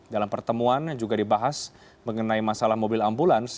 dalam pertemuan juga dibahas mengenai masalah mobil ambulans